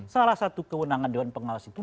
salah satu kewenangan dewan pengawas itu